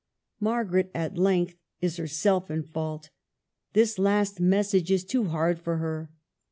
Margaret at length is herself in fault This last message is too hard for her.